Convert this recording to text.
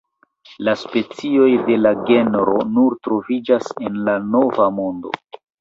La specioj de la genro nur troviĝas en la Nova Mondo.